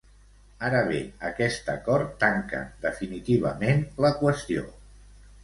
Ara bé, aquest acord tanca definitivament la qüestió.